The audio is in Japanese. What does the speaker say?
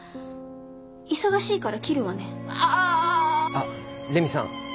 あっ麗美さん！